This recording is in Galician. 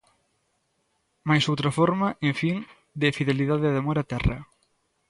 Máis outra forma, en fin, de fidelidade e de amor á Terra.